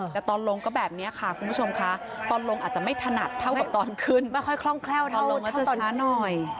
แต่ตอนลงก็แบบนี้ค่ะคุณผู้ชมค่ะตอนลงอาจจะไม่ถนัดเท่ากับตอนขึ้นไม่ค่อยคล่องแคล่วตอนลงแล้วจะช้าหน่อย